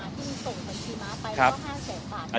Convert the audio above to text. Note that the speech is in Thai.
ที่ส่งบัญชีม้าไปก็๕แสนบาท